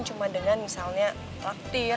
cuma dengan misalnya traktir